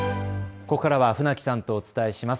ここからは船木さんとお伝えします。